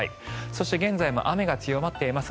そして現在も雨が強まっています